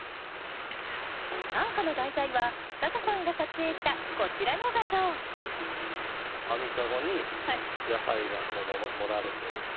短歌の題材は笹さんが撮影したこちらの画像網駕籠に野菜が盛られてる。